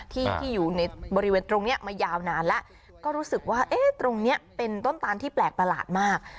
ที่ที่อยู่ในบริเวณตรงนี้มายาวนานแล้วก็รู้สึกว่าเอ๊ะตรงนี้เป็นต้นตานที่แปลกประหลาดมาก